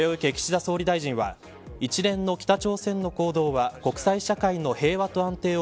これを受け、岸田総理大臣は一連の北朝鮮の行動は国際社会の平和と安定を